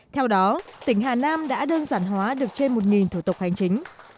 theo đó tỉnh hà nam đã đơn giản hóa được trên một thủ tục hành chính